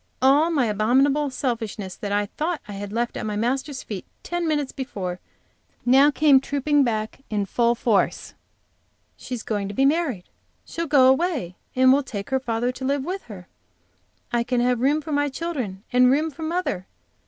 All my abominable selfishness that I thought I had left at my Master's feet ten minutes before now came trooping back in full force. "She's going to be married; she'll go away, and will take her father to live with her! I can have room for my children, and room for mother!